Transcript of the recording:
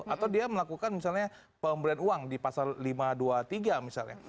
atau dia melakukan misalnya pemberian uang di pasal lima ratus dua puluh tiga misalnya